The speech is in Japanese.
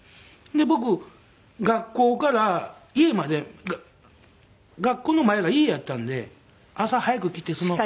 で僕学校から家まで学校の前が家やったんで朝早く来て。